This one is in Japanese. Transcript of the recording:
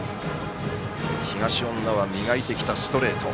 東恩納は磨いてきたストレート。